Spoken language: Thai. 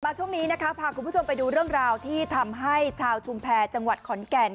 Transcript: ช่วงนี้นะคะพาคุณผู้ชมไปดูเรื่องราวที่ทำให้ชาวชุมแพรจังหวัดขอนแก่น